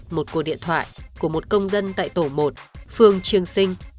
một cuộc điện thoại của một công dân tại tổ một phường trương sinh